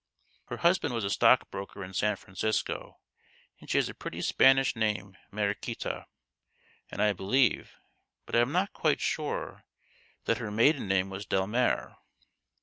Her husband was a stockbroker in San Francisco ; and she has a pretty Spanish name Mariquita and I believe, but I am not quite sure, that her maiden name was Delmare."